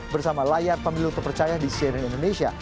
bersama layar pemilu terpercaya di cnn indonesia